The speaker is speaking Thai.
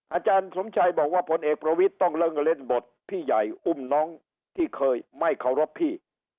อาจารย์สมชัยบอกว่าพลเอกประวิทย์ต้องเลิกเล่นบทพี่ใหญ่อุ้มน้องที่เคยไม่เคารพพี่